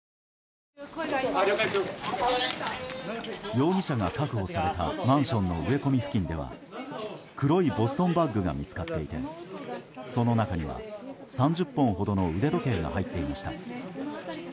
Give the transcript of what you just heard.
容疑者が確保されたマンションの植え込み付近では黒いボストンバッグが見つかっていてその中には、３０本ほどの腕時計が入っていました。